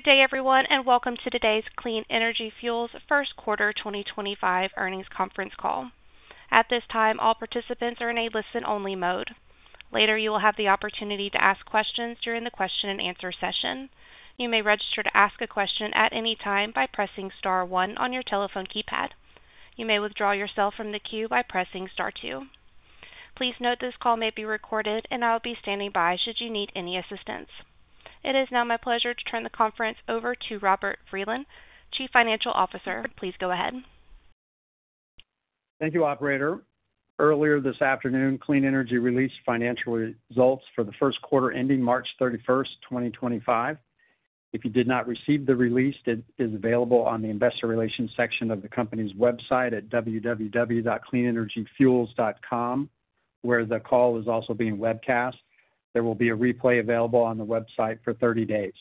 Good day, everyone, and welcome to today's Clean Energy Fuels Q1 2025 earnings conference call. At this time, all participants are in a listen-only mode. Later, you will have the opportunity to ask questions during the question-and-answer session. You may register to ask a question at any time by pressing Star 1 on your telephone keypad. You may withdraw yourself from the queue by pressing Star 2. Please note this call may be recorded, and I will be standing by should you need any assistance. It is now my pleasure to turn the conference over to Robert Vreeland, Chief Financial Officer. Please go ahead. Thank you, Operator. Earlier this afternoon, Clean Energy released financial results for the first quarter ending March 31, 2025. If you did not receive the release, it is available on the investor relations section of the company's website at www.cleanenergyfuels.com, where the call is also being webcast. There will be a replay available on the website for 30 days.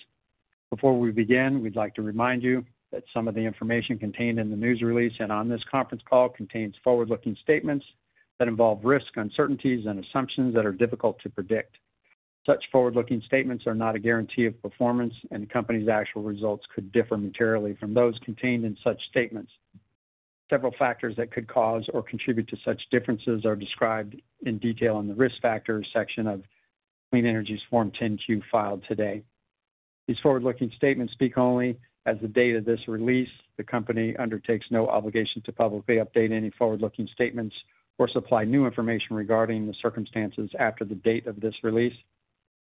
Before we begin, we'd like to remind you that some of the information contained in the news release and on this conference call contains forward-looking statements that involve risk, uncertainties, and assumptions that are difficult to predict. Such forward-looking statements are not a guarantee of performance, and the company's actual results could differ materially from those contained in such statements. Several factors that could cause or contribute to such differences are described in detail in the risk factors section of Clean Energy's Form 10Q filed today. These forward-looking statements speak only as of the date of this release. The company undertakes no obligation to publicly update any forward-looking statements or supply new information regarding the circumstances after the date of this release.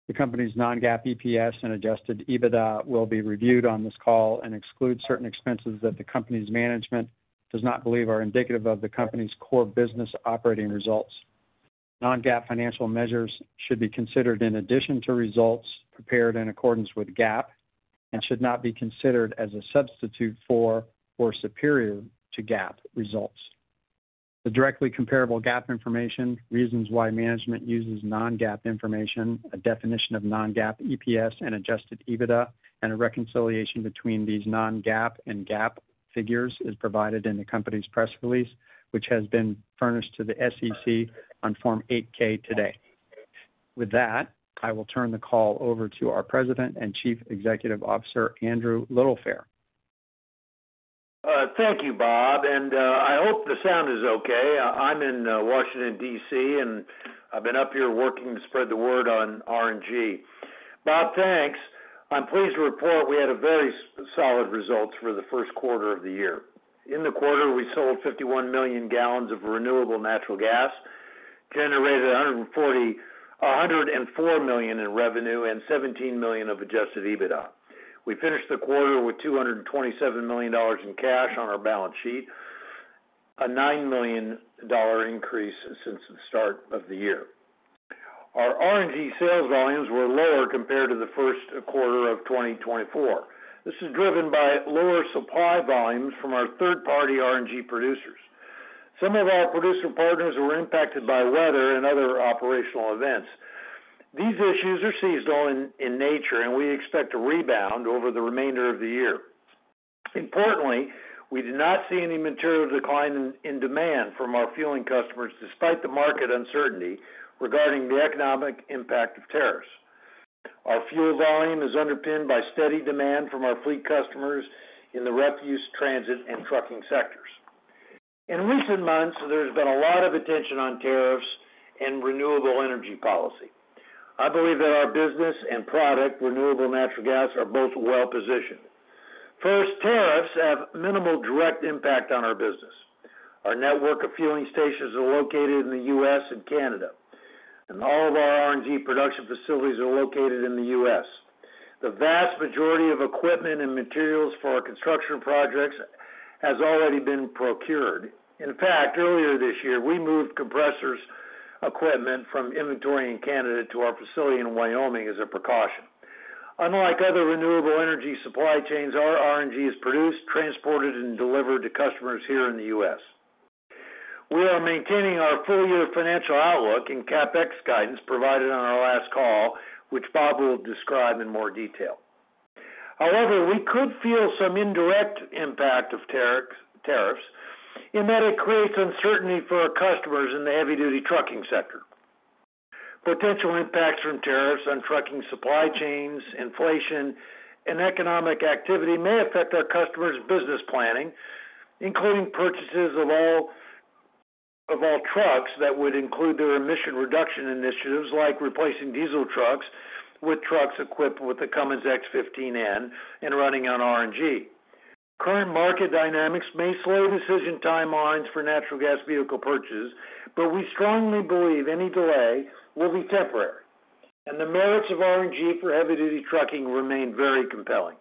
The company's non-GAAP EPS and adjusted EBITDA will be reviewed on this call and exclude certain expenses that the company's management does not believe are indicative of the company's core business operating results. Non-GAAP financial measures should be considered in addition to results prepared in accordance with GAAP and should not be considered as a substitute for or superior to GAAP results. The directly comparable GAAP information, reasons why management uses non-GAAP information, a definition of non-GAAP EPS and adjusted EBITDA, and a reconciliation between these non-GAAP and GAAP figures is provided in the company's press release, which has been furnished to the SEC on Form 8-K today. With that, I will turn the call over to our President and Chief Executive Officer, Andrew Littlefair. Thank you, Bob. I hope the sound is okay. I'm in Washington, D.C., and I've been up here working to spread the word on RNG. Bob, thanks. I'm pleased to report we had very solid results for the first quarter of the year. In the quarter, we sold 51 million gallons of renewable natural gas, generated $104 million in revenue, and $17 million of adjusted EBITDA. We finished the quarter with $227 million in cash on our balance sheet, a $9 million increase since the start of the year. Our RNG sales volumes were lower compared to the first quarter of 2024. This is driven by lower supply volumes from our third-party RNG producers. Some of our producer partners were impacted by weather and other operational events. These issues are seasonal in nature, and we expect a rebound over the remainder of the year. Importantly, we did not see any material decline in demand from our fueling customers, despite the market uncertainty regarding the economic impact of tariffs. Our fuel volume is underpinned by steady demand from our fleet customers in the refuse, transit, and trucking sectors. In recent months, there's been a lot of attention on tariffs and renewable energy policy. I believe that our business and product, renewable natural gas, are both well-positioned. First, tariffs have minimal direct impact on our business. Our network of fueling stations is located in the U.S. and Canada, and all of our RNG production facilities are located in the U.S. The vast majority of equipment and materials for our construction projects have already been procured. In fact, earlier this year, we moved compressors equipment from inventory in Canada to our facility in Wyoming as a precaution. Unlike other renewable energy supply chains, our RNG is produced, transported, and delivered to customers here in the U.S. We are maintaining our full-year financial outlook and CapEx guidance provided on our last call, which Bob will describe in more detail. However, we could feel some indirect impact of tariffs in that it creates uncertainty for our customers in the heavy-duty trucking sector. Potential impacts from tariffs on trucking supply chains, inflation, and economic activity may affect our customers' business planning, including purchases of all trucks that would include their emission reduction initiatives, like replacing diesel trucks with trucks equipped with the Cummins X15N and running on RNG. Current market dynamics may slow decision timelines for natural gas vehicle purchases, but we strongly believe any delay will be temporary, and the merits of RNG for heavy-duty trucking remain very compelling.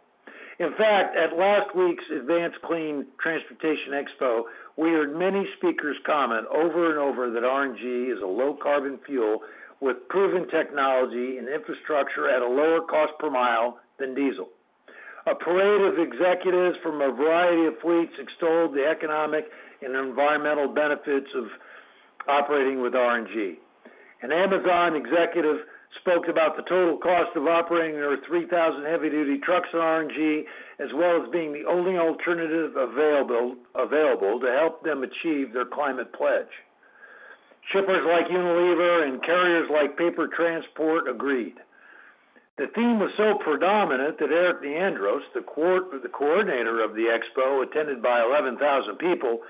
In fact, at last week's Advanced Clean Transportation Expo, we heard many speakers comment over and over that RNG is a low-carbon fuel with proven technology and infrastructure at a lower cost per mile than diesel. A parade of executives from a variety of fleets extolled the economic and environmental benefits of operating with RNG. An Amazon executive spoke about the total cost of operating their 3,000 heavy-duty trucks on RNG, as well as being the only alternative available to help them achieve their climate pledge. Shippers like Unilever and carriers like Paper Transport agreed. The theme was so predominant that Eric DeAndros, the coordinator of the expo, attended by 11,000 people,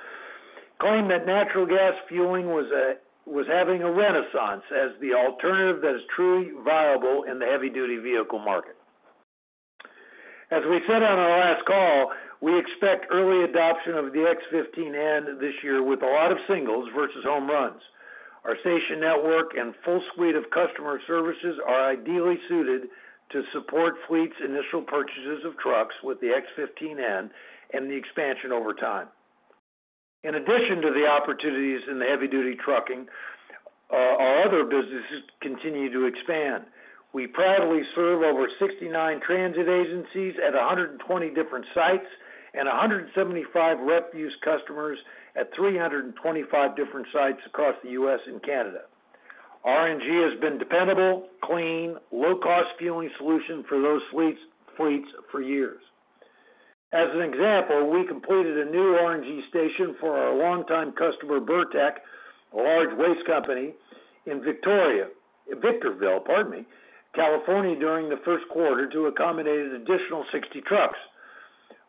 claimed that natural gas fueling was having a renaissance as the alternative that is truly viable in the heavy-duty vehicle market. As we said on our last call, we expect early adoption of the X15N this year with a lot of singles versus home runs. Our station network and full suite of customer services are ideally suited to support fleets' initial purchases of trucks with the X15N and the expansion over time. In addition to the opportunities in the heavy-duty trucking, our other businesses continue to expand. We proudly serve over 69 transit agencies at 120 different sites and 175 refuse customers at 325 different sites across the U.S. and Canada. RNG has been dependable, clean, low-cost fueling solutions for those fleets for years. As an example, we completed a new RNG station for our longtime customer, Birtech, a large waste company in Victorville, California, during the first quarter to accommodate an additional 60 trucks.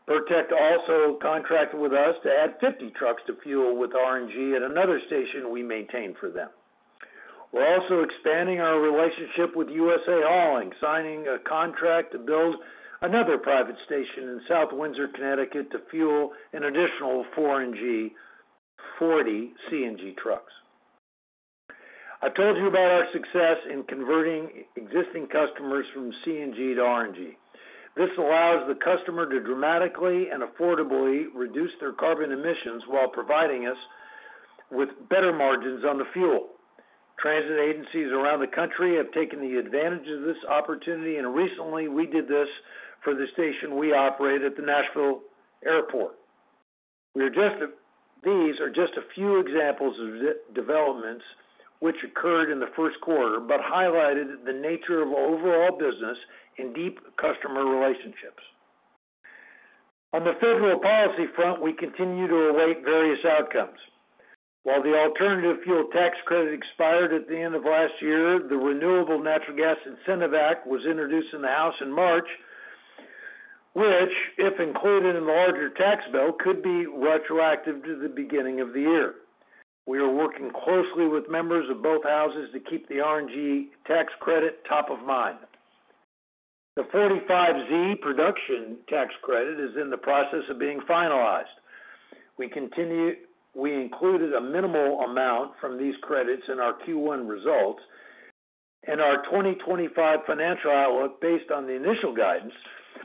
Birtech also contracted with us to add 50 trucks to fuel with RNG at another station we maintain for them. We're also expanding our relationship with USA Hauling, signing a contract to build another private station in South Windsor, Connecticut, to fuel an additional 440 CNG trucks. I've told you about our success in converting existing customers from CNG to RNG. This allows the customer to dramatically and affordably reduce their carbon emissions while providing us with better margins on the fuel. Transit agencies around the country have taken advantage of this opportunity, and recently we did this for the station we operate at the Nashville Airport. These are just a few examples of developments which occurred in the first quarter but highlighted the nature of overall business and deep customer relationships. On the federal policy front, we continue to await various outcomes. While the Alternative Fuel Tax Credit expired at the end of last year, the Renewable Natural Gas Incentive Act was introduced in the House in March, which, if included in the larger tax bill, could be retroactive to the beginning of the year. We are working closely with members of both houses to keep the RNG tax credit top of mind. The 45Z Production Tax Credit is in the process of being finalized. We included a minimal amount from these credits in our Q1 results and our 2025 financial outlook based on the initial guidance,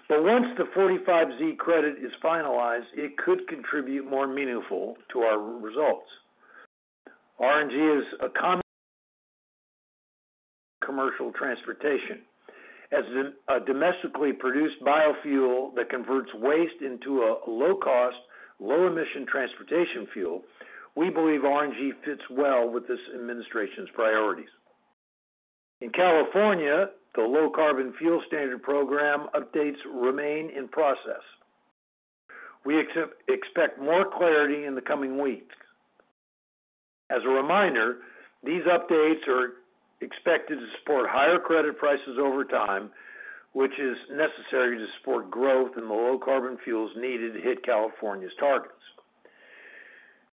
but once the 45Z credit is finalized, it could contribute more meaningfully to our results. RNG is a common commercial transportation. As a domestically produced biofuel that converts waste into a low-cost, low-emission transportation fuel, we believe RNG fits well with this administration's priorities. In California, the Low Carbon Fuel Standard program updates remain in process. We expect more clarity in the coming weeks. As a reminder, these updates are expected to support higher credit prices over time, which is necessary to support growth in the low-carbon fuels needed to hit California's targets.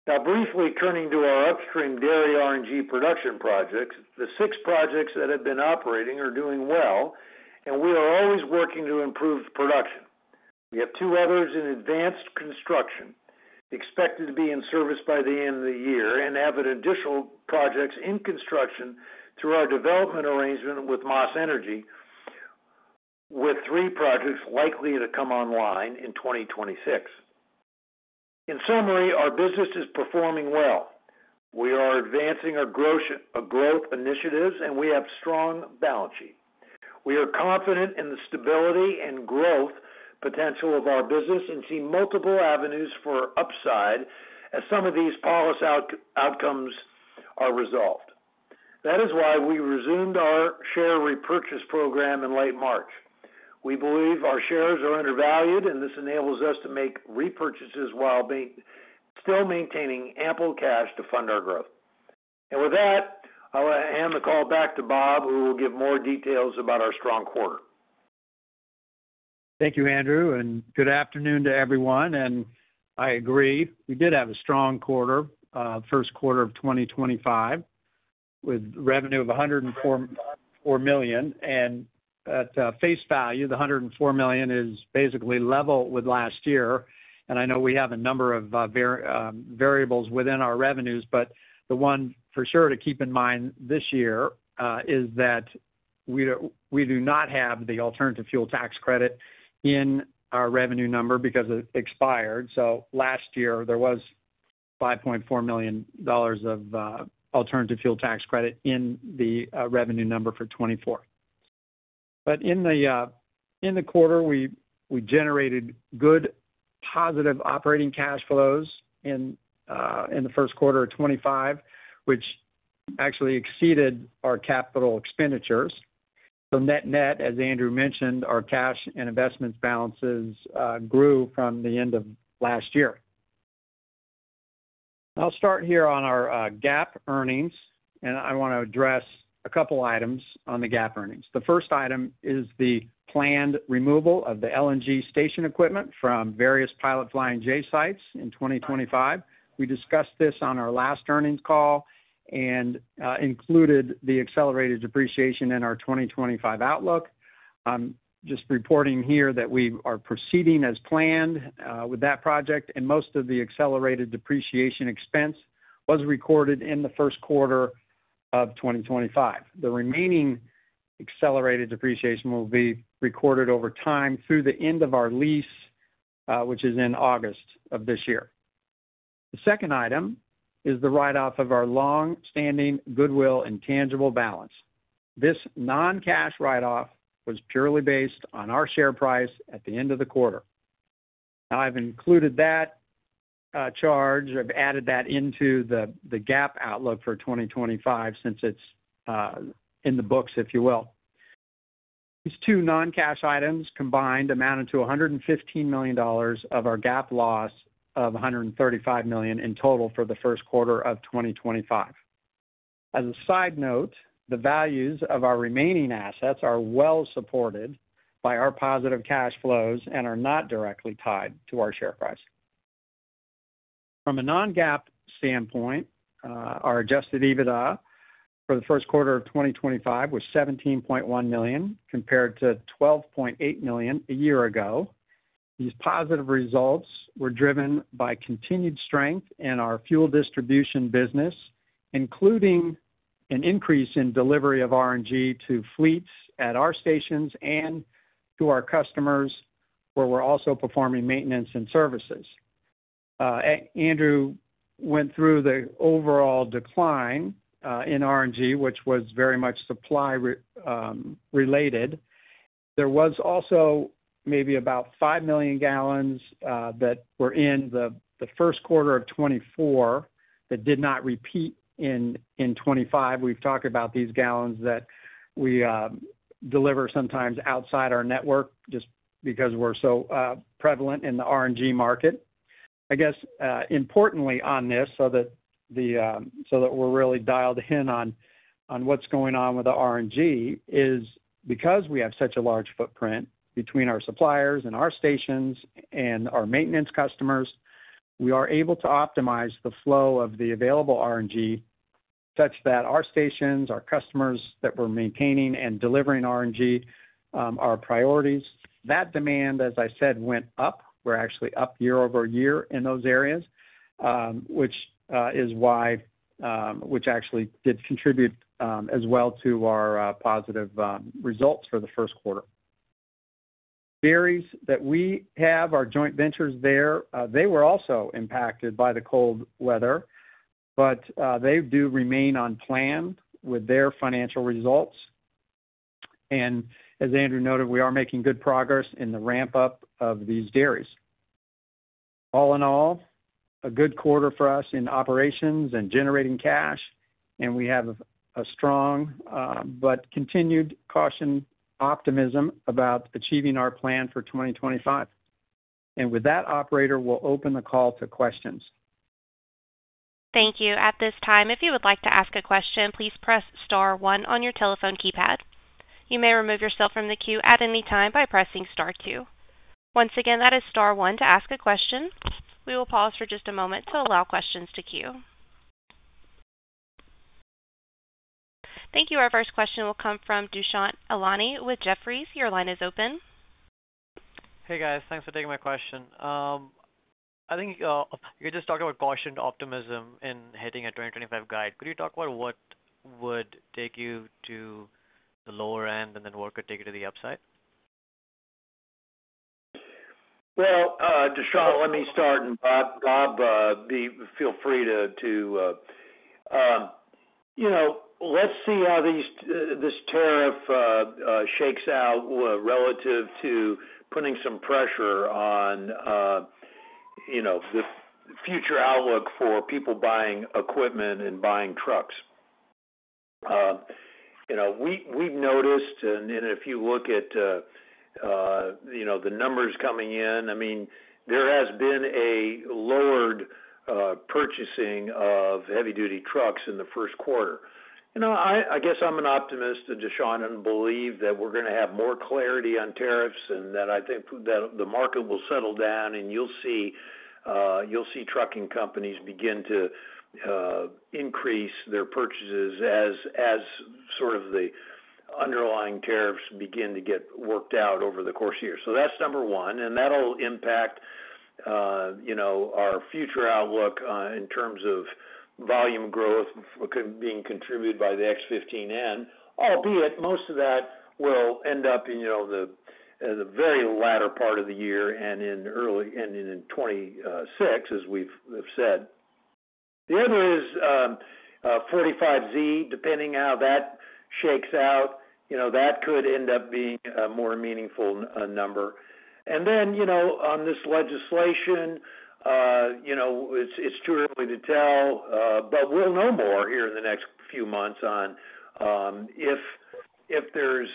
Now, briefly turning to our upstream dairy RNG production projects, the six projects that have been operating are doing well, and we are always working to improve production. We have two others in advanced construction expected to be in service by the end of the year and have additional projects in construction through our development arrangement with Moss Energy, with three projects likely to come online in 2026. In summary, our business is performing well. We are advancing our growth initiatives, and we have a strong balance sheet. We are confident in the stability and growth potential of our business and see multiple avenues for upside as some of these policy outcomes are resolved. That is why we resumed our share repurchase program in late March. We believe our shares are undervalued, and this enables us to make repurchases while still maintaining ample cash to fund our growth. With that, I want to hand the call back to Bob, who will give more details about our strong quarter. Thank you, Andrew. Good afternoon to everyone. I agree. We did have a strong quarter, first quarter of 2025, with revenue of $104 million. At face value, the $104 million is basically level with last year. I know we have a number of variables within our revenues, but the one for sure to keep in mind this year is that we do not have the Alternative Fuel Tax Credit in our revenue number because it expired. Last year, there was $5.4 million of Alternative Fuel Tax Credit in the revenue number for 2024. In the quarter, we generated good positive operating cash flows in the first quarter of 2025, which actually exceeded our capital expenditures. Net-net, as Andrew mentioned, our cash and investment balances grew from the end of last year. I'll start here on our GAAP earnings, and I want to address a couple of items on the GAAP earnings. The first item is the planned removal of the LNG station equipment from various Pilot Flying J sites in 2025. We discussed this on our last earnings call and included the accelerated depreciation in our 2025 outlook. I'm just reporting here that we are proceeding as planned with that project, and most of the accelerated depreciation expense was recorded in the first quarter of 2025. The remaining accelerated depreciation will be recorded over time through the end of our lease, which is in August of this year. The second item is the write-off of our long-standing goodwill and tangible balance. This non-cash write-off was purely based on our share price at the end of the quarter. I've included that charge. I've added that into the GAAP outlook for 2025 since it's in the books, if you will. These two non-cash items combined amounted to $115 million of our GAAP loss of $135 million in total for the first quarter of 2025. As a side note, the values of our remaining assets are well-supported by our positive cash flows and are not directly tied to our share price. From a non-GAAP standpoint, our adjusted EBITDA for the first quarter of 2025 was $17.1 million compared to $12.8 million a year ago. These positive results were driven by continued strength in our fuel distribution business, including an increase in delivery of RNG to fleets at our stations and to our customers where we're also performing maintenance and services. Andrew went through the overall decline in RNG, which was very much supply-related. There was also maybe about 5 million gallons that were in the first quarter of 2024 that did not repeat in 2025. We've talked about these gallons that we deliver sometimes outside our network just because we're so prevalent in the RNG market. I guess, importantly on this, so that we're really dialed in on what's going on with the RNG, is because we have such a large footprint between our suppliers and our stations and our maintenance customers, we are able to optimize the flow of the available RNG such that our stations, our customers that we're maintaining and delivering RNG are priorities. That demand, as I said, went up. We're actually up year over year in those areas, which actually did contribute as well to our positive results for the first quarter. The dairies that we have, our joint ventures there, they were also impacted by the cold weather, but they do remain on plan with their financial results. As Andrew noted, we are making good progress in the ramp-up of these dairies. All in all, a good quarter for us in operations and generating cash, and we have a strong but continued cautious optimism about achieving our plan for 2025. With that, operator will open the call to questions. Thank you. At this time, if you would like to ask a question, please press star one on your telephone keypad. You may remove yourself from the queue at any time by pressing star two. Once again, that is star one to ask a question. We will pause for just a moment to allow questions to queue. Thank you. Our first question will come from Dushyant Ailani with Jefferies. Your line is open. Hey, guys. Thanks for taking my question. I think you were just talking about cautious optimism in hitting a 2025 guide. Could you talk about what would take you to the lower end and then what would take it to the upside? Dushant, let me start, and Bob, feel free to let's see how this tariff shakes out relative to putting some pressure on the future outlook for people buying equipment and buying trucks. We've noticed, and if you look at the numbers coming in, I mean, there has been a lowered purchasing of heavy-duty trucks in the first quarter. I guess I'm an optimist, and Dushant and I believe that we're going to have more clarity on tariffs and that I think the market will settle down, and you'll see trucking companies begin to increase their purchases as sort of the underlying tariffs begin to get worked out over the course of the year. That's number one, and that'll impact our future outlook in terms of volume growth being contributed by the X15N, albeit most of that will end up in the very latter part of the year and in 2026, as we've said. The other is 45Z. Depending on how that shakes out, that could end up being a more meaningful number. On this legislation, it's too early to tell, but we'll know more here in the next few months on if there's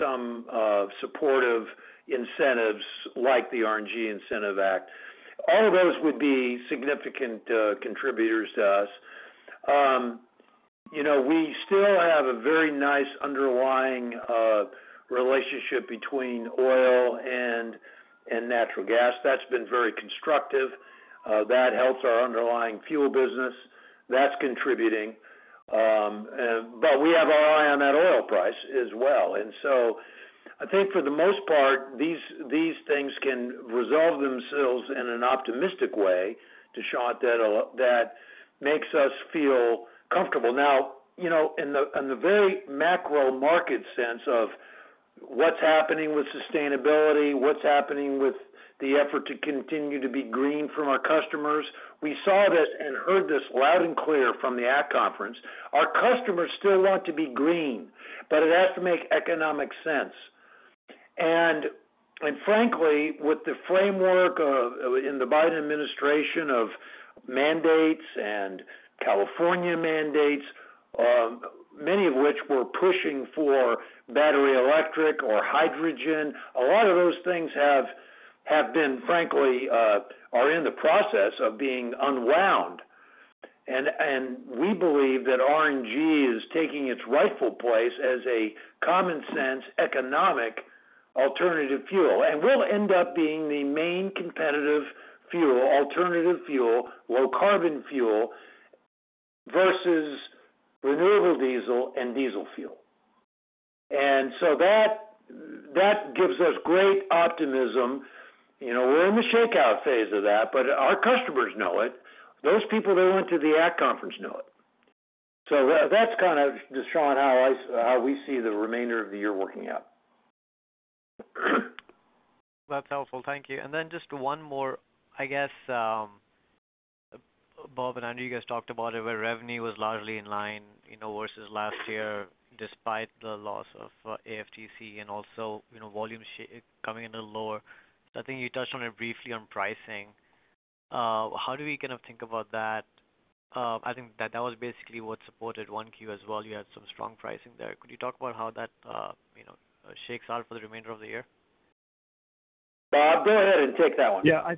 some supportive incentives like the RNG Incentive Act. All of those would be significant contributors to us. We still have a very nice underlying relationship between oil and natural gas. That's been very constructive. That helps our underlying fuel business. That's contributing. We have our eye on that oil price as well. I think for the most part, these things can resolve themselves in an optimistic way, Dushant, that makes us feel comfortable. In the very macro market sense of what's happening with sustainability, what's happening with the effort to continue to be green from our customers, we saw this and heard this loud and clear from the ACT conference. Our customers still want to be green, but it has to make economic sense. Frankly, with the framework in the Biden administration of mandates and California mandates, many of which were pushing for battery electric or hydrogen, a lot of those things have been, frankly, are in the process of being unwound. We believe that RNG is taking its rightful place as a common-sense economic alternative fuel. We'll end up being the main competitive fuel, alternative fuel, low-carbon fuel versus renewable diesel and diesel fuel. That gives us great optimism. We're in the shakeout phase of that, but our customers know it. Those people that went to the ACT conference know it. That's kind of, Dushant, how we see the remainder of the year working out. That's helpful. Thank you. Just one more, I guess, Bob and Andrew, you guys talked about it where revenue was largely in line versus last year despite the loss of AFTC and also volume coming in lower. I think you touched on it briefly on pricing. How do we kind of think about that? I think that that was basically what supported Q1 as well. You had some strong pricing there. Could you talk about how that shakes out for the remainder of the year? Bob, go ahead and take that one. Yeah.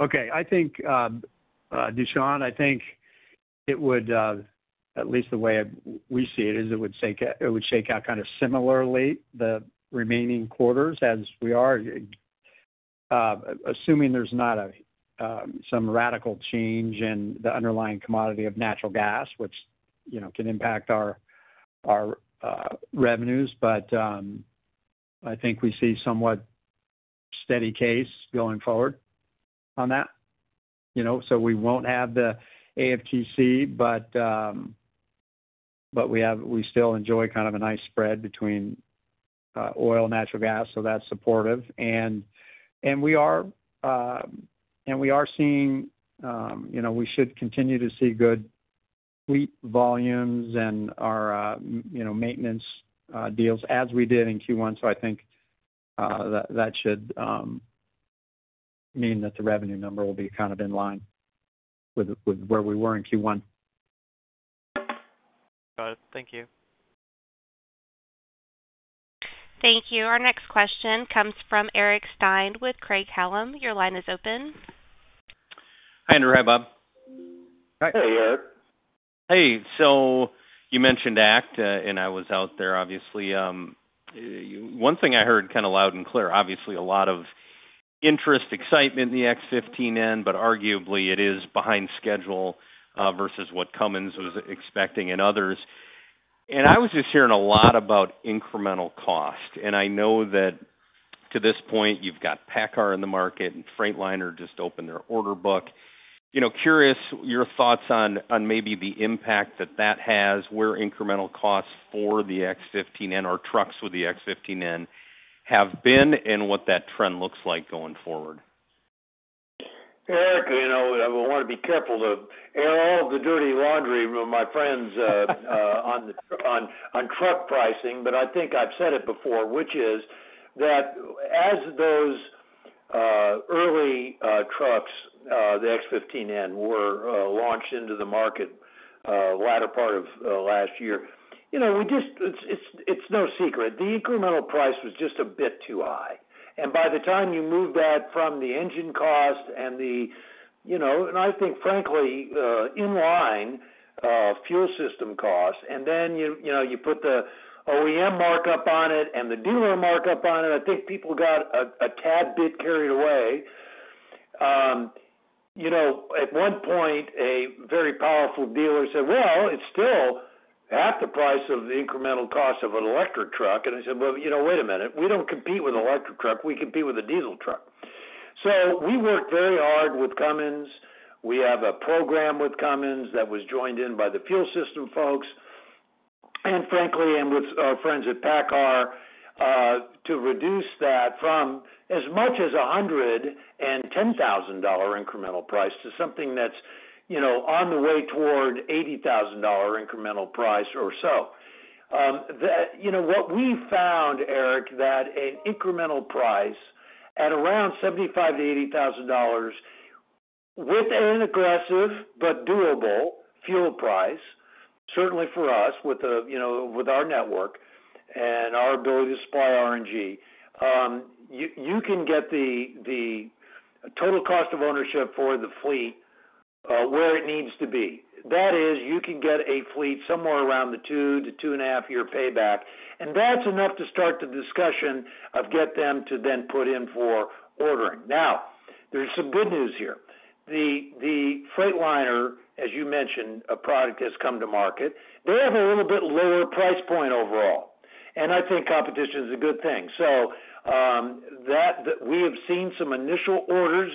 Okay. I think, Dushant, I think it would, at least the way we see it, is it would shake out kind of similarly the remaining quarters as we are, assuming there's not some radical change in the underlying commodity of natural gas, which can impact our revenues. I think we see somewhat steady case going forward on that. We won't have the AFTC, but we still enjoy kind of a nice spread between oil and natural gas, so that's supportive. We are seeing we should continue to see good fleet volumes and our maintenance deals as we did in Q1. I think that should mean that the revenue number will be kind of in line with where we were in Q1. Got it. Thank you. Thank you. Our next question comes from Eric Stine with Craig Hallum. Your line is open. Hi, Andrew. Hi, Bob. Hi, Eric. Hey. You mentioned ACT, and I was out there, obviously. One thing I heard kind of loud and clear, obviously a lot of interest, excitement in the X15N, but arguably it is behind schedule versus what Cummins was expecting and others. I was just hearing a lot about incremental cost. I know that to this point, you've got PACCAR in the market, and Freightliner just opened their order book. Curious your thoughts on maybe the impact that that has where incremental costs for the X15N or trucks with the X15N have been and what that trend looks like going forward. Eric, I want to be careful to air all the dirty laundry of my friends on truck pricing, but I think I've said it before, which is that as those early trucks, the X15N, were launched into the market latter part of last year, it's no secret. The incremental price was just a bit too high. By the time you moved that from the engine cost and the, and I think, frankly, in-line, fuel system cost, and then you put the OEM markup on it and the dealer markup on it, I think people got a tad bit carried away. At one point, a very powerful dealer said, "Well, it's still half the price of the incremental cost of an electric truck." I said, "Wait a minute. We don't compete with an electric truck. We compete with a diesel truck." We worked very hard with Cummins. We have a program with Cummins that was joined in by the fuel system folks. And frankly, and with our friends at PACCAR to reduce that from as much as $110,000 incremental price to something that's on the way toward $80,000 incremental price or so. What we found, Eric, that an incremental price at around $75,000-$80,000 with an aggressive but doable fuel price, certainly for us with our network and our ability to supply RNG, you can get the total cost of ownership for the fleet where it needs to be. That is, you can get a fleet somewhere around the two to two and a half year payback. And that's enough to start the discussion of getting them to then put in for ordering. Now, there's some good news here. The Freightliner, as you mentioned, a product that's come to market, they have a little bit lower price point overall. I think competition is a good thing. We have seen some initial orders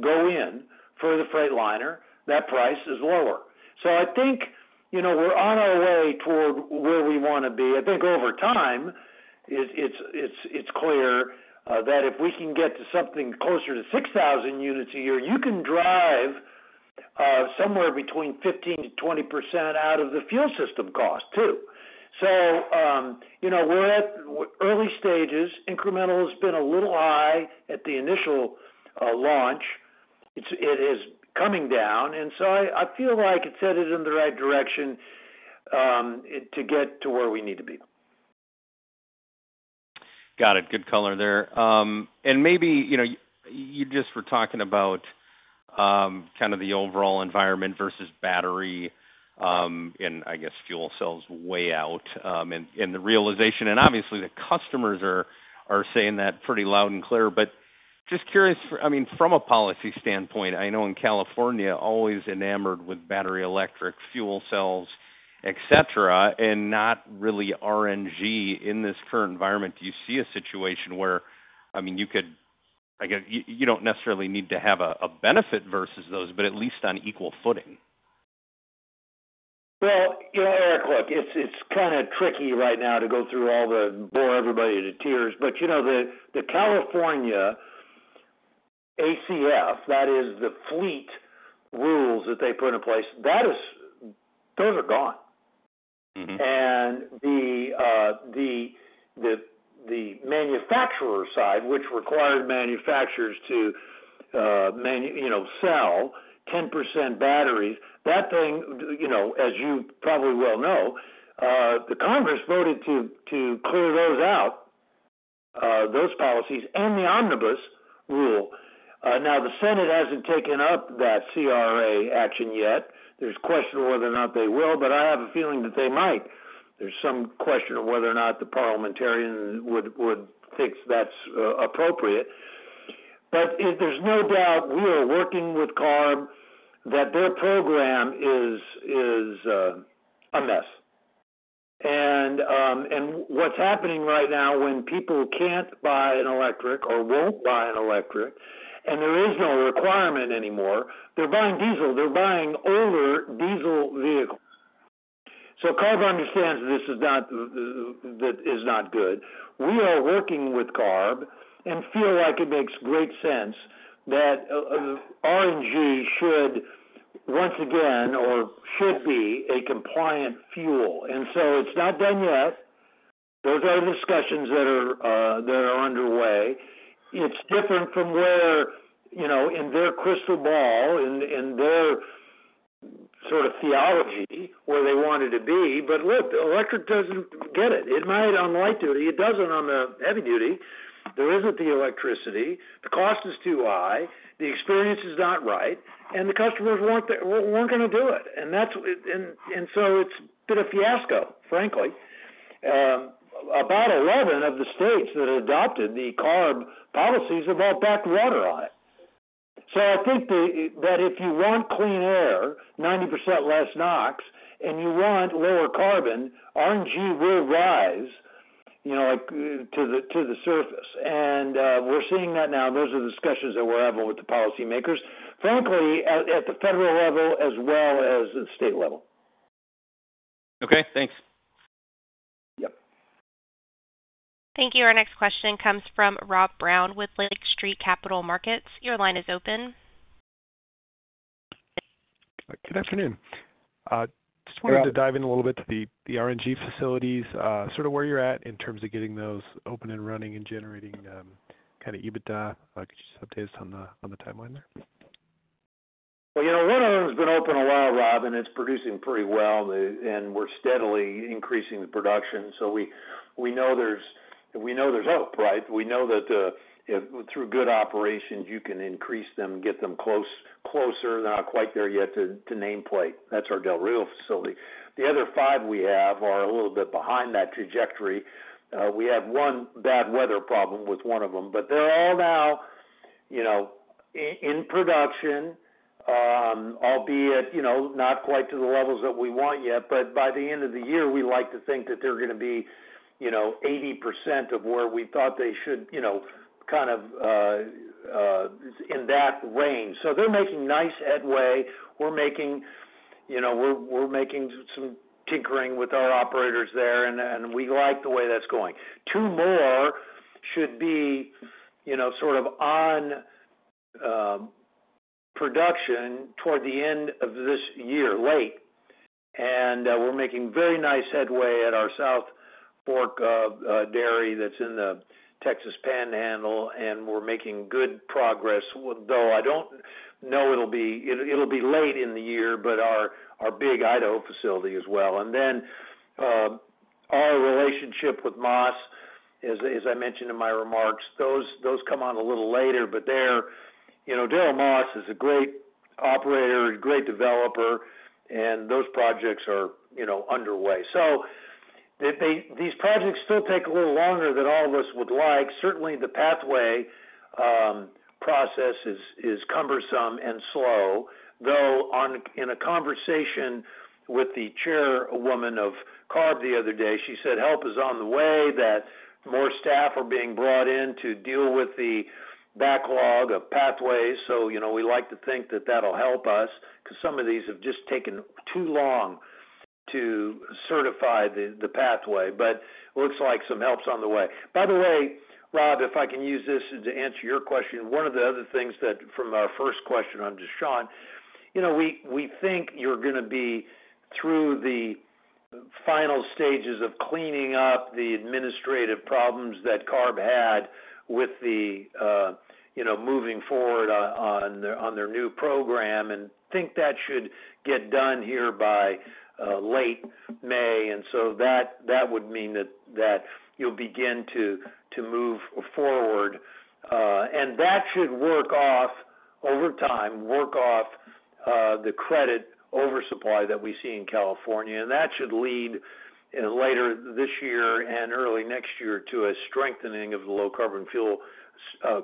go in for the Freightliner, that price is lower. I think we're on our way toward where we want to be. I think over time, it's clear that if we can get to something closer to 6,000 units a year, you can drive somewhere between 15-20% out of the fuel system cost too. We're at early stages. Incremental has been a little high at the initial launch. It is coming down. I feel like it's headed in the right direction to get to where we need to be. Got it. Good color there. Maybe you just were talking about kind of the overall environment versus battery and, I guess, fuel cells way out and the realization. Obviously, the customers are saying that pretty loud and clear. Just curious, I mean, from a policy standpoint, I know in California, always enamored with battery electric, fuel cells, etc., and not really RNG in this current environment. Do you see a situation where, I mean, you could, I guess, you do not necessarily need to have a benefit versus those, but at least on equal footing? Eric, look, it's kind of tricky right now to go through all the. Bore everybody to tears. The California ACF, that is the fleet rules that they put in place, those are gone. The manufacturer side, which required manufacturers to sell 10% batteries, that thing, as you probably well know, the Congress voted to clear those out, those policies and the omnibus rule. Now, the Senate hasn't taken up that CRA action yet. There's question whether or not they will, but I have a feeling that they might. There's some question of whether or not the parliamentarian would think that's appropriate. There's no doubt we are working with CARB that their program is a mess. What's happening right now when people can't buy an electric or won't buy an electric, and there is no requirement anymore, they're buying diesel. They're buying older diesel vehicles. CARB understands this is not good. We are working with CARB and feel like it makes great sense that RNG should, once again, or should be a compliant fuel. It is not done yet. Those are the discussions that are underway. It is different from where in their crystal ball and their sort of theology where they want it to be. Look, the electric does not get it. It might on light duty. It does not on the heavy duty. There is not the electricity. The cost is too high. The experience is not right. The customers were not going to do it. It has been a fiasco, frankly. About 11 of the states that adopted the CARB policies have all backed water on it. I think that if you want clean air, 90% less NOx, and you want lower carbon, RNG will rise to the surface. We are seeing that now. Those are the discussions that we are having with the policymakers, frankly, at the federal level as well as the state level. Okay. Thanks. Yep. Thank you. Our next question comes from Rob Brown with Lake Street Capital Markets. Your line is open. Good afternoon. Just wanted to dive in a little bit to the RNG facilities, sort of where you're at in terms of getting those open and running and generating kind of EBITDA. Could you just update us on the timeline there? One of them has been open a while, Rob, and it's producing pretty well. We're steadily increasing the production. We know there's hope, right? We know that through good operations, you can increase them, get them closer. They're not quite there yet to nameplate. That's our Del Rio facility. The other five we have are a little bit behind that trajectory. We have one bad weather problem with one of them, but they're all now in production, albeit not quite to the levels that we want yet. By the end of the year, we like to think that they're going to be 80% of where we thought they should, kind of in that range. They're making nice headway. We're making some tinkering with our operators there, and we like the way that's going. Two more should be sort of on production toward the end of this year, late. We're making very nice headway at our South Fork Dairy that's in the Texas Panhandle, and we're making good progress, though I don't know it'll be late in the year, but our big Idaho facility as well. Our relationship with Moss, as I mentioned in my remarks, those come on a little later, but Dell Moss is a great operator, a great developer, and those projects are underway. These projects still take a little longer than all of us would like. Certainly, the pathway process is cumbersome and slow, though in a conversation with the chairwoman of CARB the other day, she said help is on the way, that more staff are being brought in to deal with the backlog of pathways. We like to think that that'll help us because some of these have just taken too long to certify the pathway. It looks like some help's on the way. By the way, Rob, if I can use this to answer your question, one of the other things that from our first question on Dushyant, we think you're going to be through the final stages of cleaning up the administrative problems that CARB had with moving forward on their new program, and think that should get done here by late May. That would mean that you'll begin to move forward. That should work off over time, work off the credit oversupply that we see in California. That should lead later this year and early next year to a strengthening of the low carbon fuel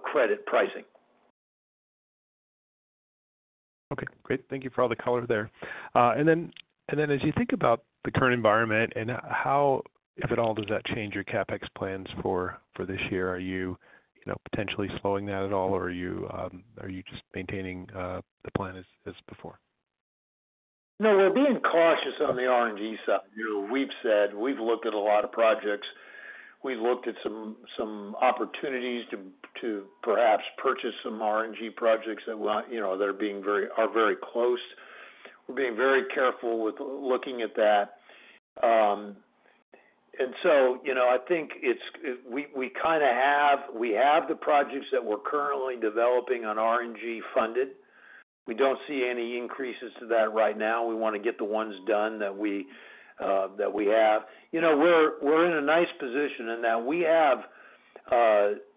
credit pricing. Okay. Great. Thank you for all the color there. As you think about the current environment, how, if at all, does that change your CapEx plans for this year? Are you potentially slowing that at all, or are you just maintaining the plan as before? No, we're being cautious on the RNG side. We've said we've looked at a lot of projects. We've looked at some opportunities to perhaps purchase some RNG projects that are being very close. We're being very careful with looking at that. I think we kind of have the projects that we're currently developing on RNG funded. We don't see any increases to that right now. We want to get the ones done that we have. We're in a nice position in that we have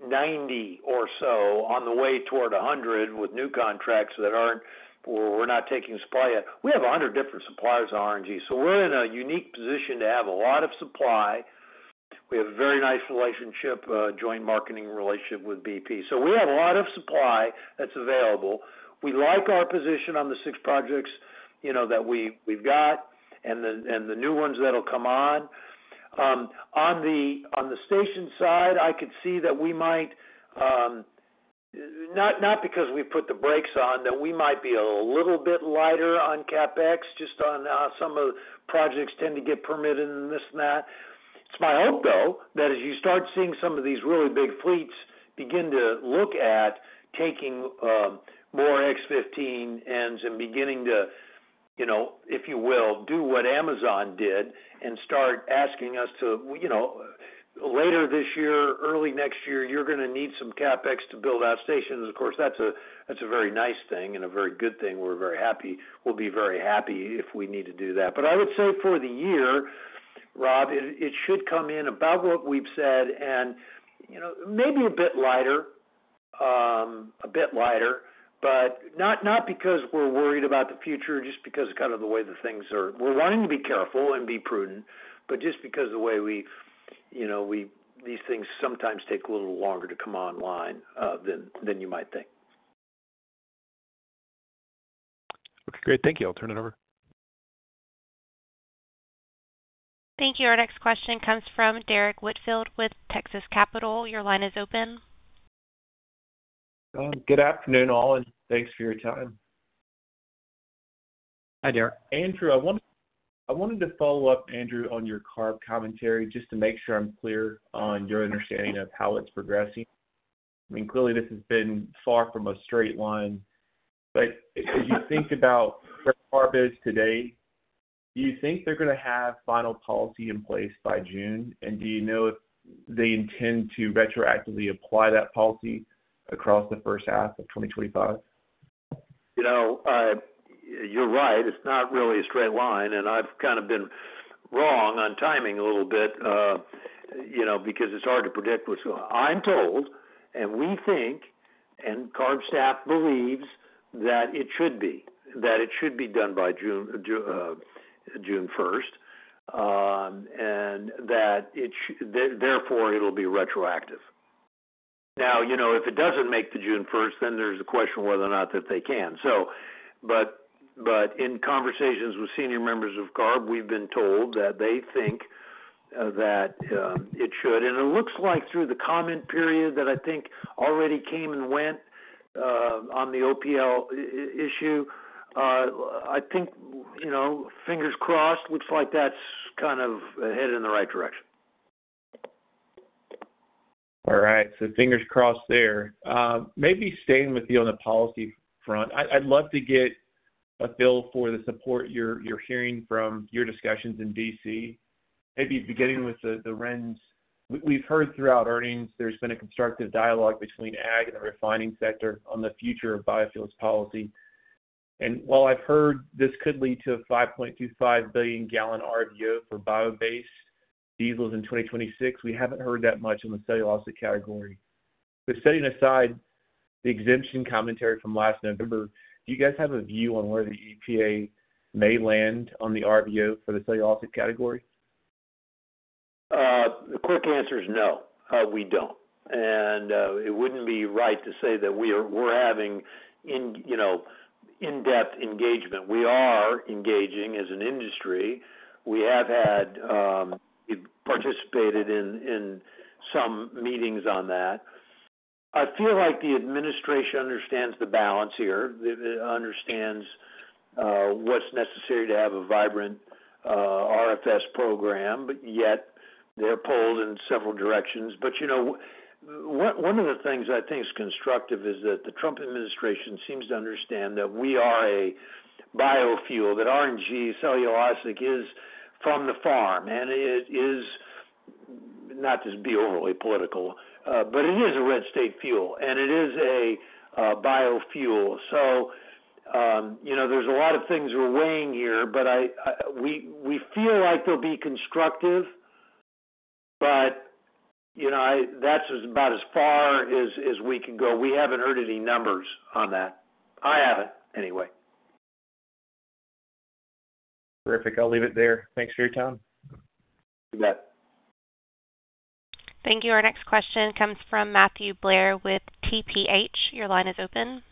90 or so on the way toward 100 with new contracts that aren't where we're not taking supply yet. We have 100 different suppliers of RNG. We're in a unique position to have a lot of supply. We have a very nice relationship, joint marketing relationship with BP. We have a lot of supply that's available. We like our position on the six projects that we've got and the new ones that will come on. On the station side, I could see that we might, not because we've put the brakes on, that we might be a little bit lighter on CapEx just on some of the projects tend to get permitted and this and that. It's my hope, though, that as you start seeing some of these really big fleets begin to look at taking more X15Ns and beginning to, if you will, do what Amazon did and start asking us to, later this year, early next year, you're going to need some CapEx to build out stations. Of course, that's a very nice thing and a very good thing. We're very happy. We'll be very happy if we need to do that. I would say for the year, Rob, it should come in about what we've said and maybe a bit lighter, a bit lighter, but not because we're worried about the future, just because of kind of the way things are. We're wanting to be careful and be prudent, but just because of the way these things sometimes take a little longer to come online than you might think. Okay. Great. Thank you. I'll turn it over. Thank you. Our next question comes from Derrick Whitfield with Texas Capital. Your line is open. Good afternoon, all, and thanks for your time. Hi, Derek. Andrew, I wanted to follow up, Andrew, on your CARB commentary just to make sure I'm clear on your understanding of how it's progressing. I mean, clearly, this has been far from a straight line. As you think about where CARB is today, do you think they're going to have final policy in place by June? Do you know if they intend to retroactively apply that policy across the first half of 2025? You're right. It's not really a straight line. I've kind of been wrong on timing a little bit because it's hard to predict what's going on. I'm told, and we think, and CARB staff believes that it should be, that it should be done by June 1, and that therefore it'll be retroactive. If it doesn't make the June 1, then there's a question whether or not that they can. In conversations with senior members of CARB, we've been told that they think that it should. It looks like through the comment period that I think already came and went on the OPL issue, I think fingers crossed, looks like that's kind of headed in the right direction. All right. So fingers crossed there. Maybe staying with you on the policy front, I'd love to get a feel for the support you're hearing from your discussions in D.C., maybe beginning with the RINs. We've heard throughout earnings there's been a constructive dialogue between ag and the refining sector on the future of biofuels policy. While I've heard this could lead to a 5.25 billion gallon RVO for bio-based diesels in 2026, we haven't heard that much on the cellulosic category. Setting aside the exemption commentary from last November, do you guys have a view on where the EPA may land on the RVO for the cellulosic category? The quick answer is no. We do not. It would not be right to say that we are having in-depth engagement. We are engaging as an industry. We have participated in some meetings on that. I feel like the administration understands the balance here, understands what is necessary to have a vibrant RFS program, yet they are pulled in several directions. One of the things I think is constructive is that the Trump administration seems to understand that we are a biofuel, that RNG cellulosic is from the farm. It is not to be overly political, but it is a red state fuel. It is a biofuel. There are a lot of things we are weighing here, but we feel like they will be constructive. That is about as far as we can go. We have not heard any numbers on that. I have not, anyway. Terrific. I'll leave it there. Thanks for your time. You bet. Thank you. Our next question comes from Matthew Blair with TPH. Your line is open.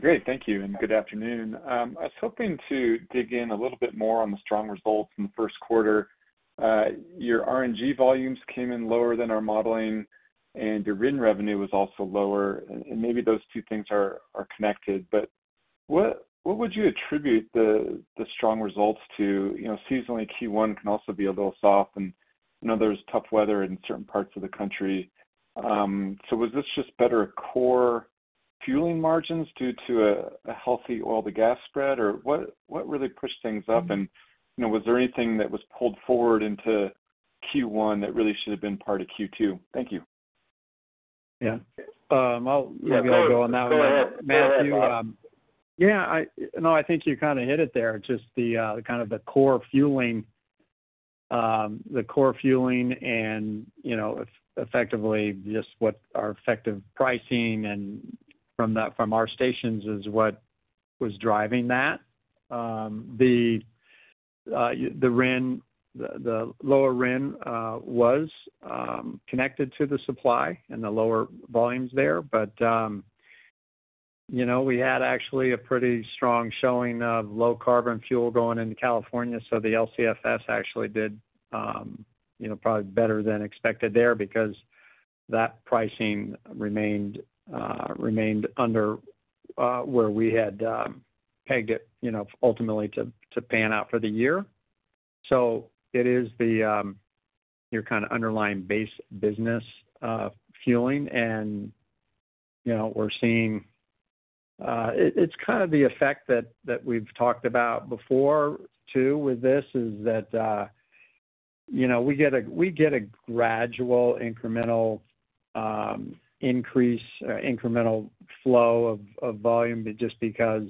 Great. Thank you. And good afternoon. I was hoping to dig in a little bit more on the strong results in the first quarter. Your RNG volumes came in lower than our modeling, and your RIN revenue was also lower. Maybe those two things are connected. What would you attribute the strong results to? Seasonally Q1 can also be a little soft, and there is tough weather in certain parts of the country. Was this just better core fueling margins due to a healthy oil-to-gas spread, or what really pushed things up? Was there anything that was pulled forward into Q1 that really should have been part of Q2? Thank you. Yeah. Maybe I'll go on that one, Matthew. Yeah. No, I think you kind of hit it there. Just kind of the core fueling, the core fueling, and effectively just what our effective pricing and from our stations is what was driving that. The lower RIN was connected to the supply and the lower volumes there. We had actually a pretty strong showing of low carbon fuel going into California. The LCFS actually did probably better than expected there because that pricing remained under where we had pegged it ultimately to pan out for the year. It is your kind of underlying base business fueling. We're seeing it's kind of the effect that we've talked about before too with this is that we get a gradual, incremental increase, incremental flow of volume just because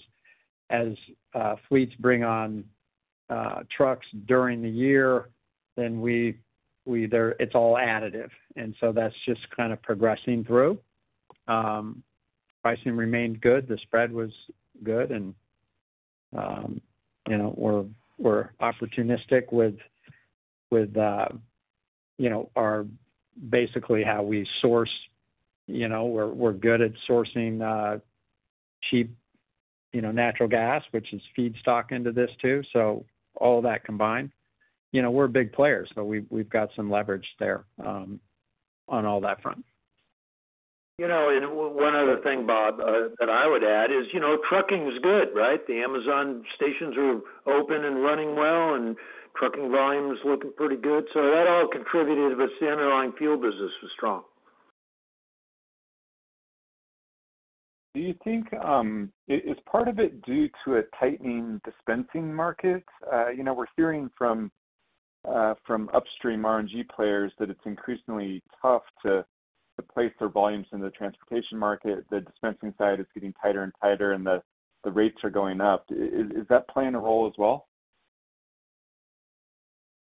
as fleets bring on trucks during the year, then it's all additive. That's just kind of progressing through. Pricing remained good. The spread was good. We are opportunistic with our basically how we source. We are good at sourcing cheap natural gas, which is feedstock into this too. All that combined, we are a big player. We have got some leverage there on all that front. One other thing, Bob, that I would add is trucking is good, right? The Amazon stations are open and running well, and trucking volume is looking pretty good. That all contributed, but the underlying fuel business was strong. Do you think it's part of it due to a tightening dispensing market? We're hearing from upstream RNG players that it's increasingly tough to place their volumes in the transportation market. The dispensing side is getting tighter and tighter, and the rates are going up. Is that playing a role as well?